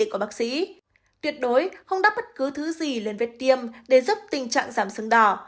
y bác sĩ tuyệt đối không đắp bất cứ thứ gì lên vết tiêm để giúp tình trạng giảm sưng đỏ